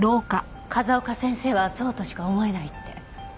風丘先生はそうとしか思えないって。